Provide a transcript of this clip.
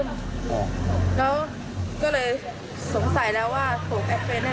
บางคน๔๐๐๐บางคน๓๐๐๐๒๐๐๐อะไรอย่างนี้